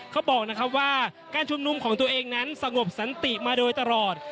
เขาบอกนะครับว่าการชุมนุมของตัวเองนั้นสงบสันติมาโดยตลอด